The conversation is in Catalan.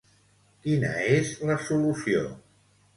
Quina és la solució?